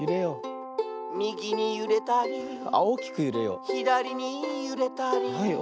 「みぎにゆれたり」「ひだりにゆれたり」